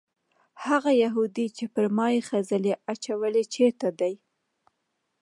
هغه یهودي چې پر ما یې خځلې اچولې چېرته دی؟